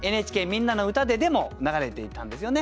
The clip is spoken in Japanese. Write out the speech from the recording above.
「みんなのうた」ででも流れていたんですよね。